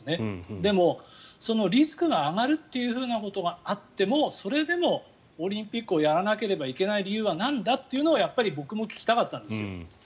でも、そのリスクが上がるということがあってもそれでもオリンピックをやらなければいけない理由はなんだっていうのを僕も聞きたかったんですよ。